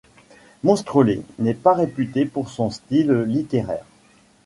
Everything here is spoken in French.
Monstrelet n'est pas réputé pour son style littéraire.